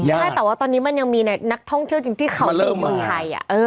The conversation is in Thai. ใช่แต่ว่าตอนนี้มันยังมีนักท่องเที่ยวจริงที่เขาอยู่เมืองไทย